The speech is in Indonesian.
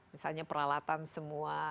misalnya peralatan semua